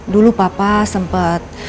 dulu papa sempet